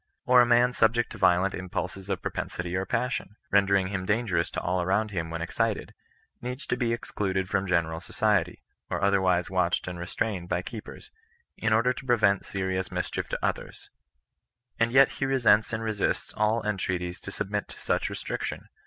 Or a man subject to violent impulses of propensity or passion, rendering him dan gerous to all around him when excited, needs to be ex cluded from general society, or otherwise watched and restrained by keepers, in order to prevent serious mis chief to others ; and yet he resents and resists all en treaties to submit to such restriction.